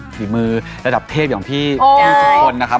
ดีมือระดับเทศอย่างที่คือทุกคนนะคะโอเฮ้ย